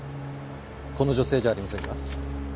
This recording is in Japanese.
この女性じゃありませんか？